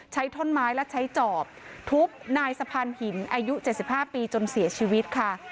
ท่อนไม้และใช้จอบทุบนายสะพานหินอายุ๗๕ปีจนเสียชีวิตค่ะ